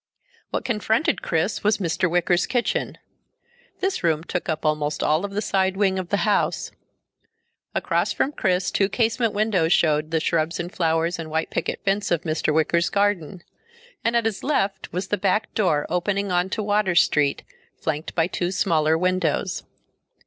What confronted Chris was Mr. Wicker's kitchen. This room took up almost all of the side wing of the house. Across from Chris two casement windows showed the shrubs and flowers and white picket fence of Mr. Wicker's garden, and at his left was the back door opening onto Water Street, flanked by two smaller windows.